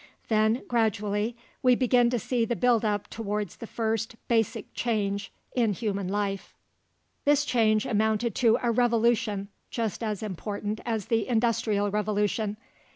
Then, gradually, we begin to see the build up towards the first basic change in human life. This change amounted to a revolution just as important as the Industrial Revolution.